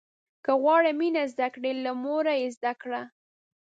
که غواړې مينه زده کړې، له موره يې زده کړه.